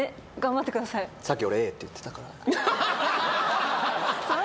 さっき俺Ａって言ってたからははははっ